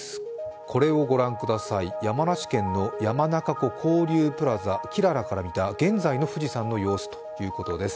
これをご覧ください、山梨県の山中湖交流プラザきららから見た現在の富士山の様子ということです。